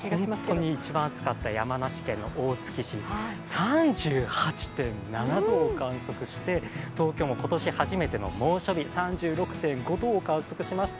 本当に一番暑かった山梨県大月市３８．７度を観測して、東京も今年初めての猛暑日、３６．５度を観測しました。